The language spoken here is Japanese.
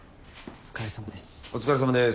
お疲れさまです。